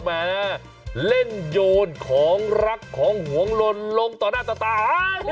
แหมเล่นโยนของรักของหวงลนลงต่อหน้าต่อตา